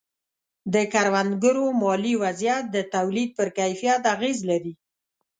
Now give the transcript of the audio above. د کروندګرو مالي وضعیت د تولید پر کیفیت اغېز لري.